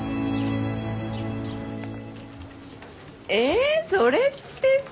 えそれってさ。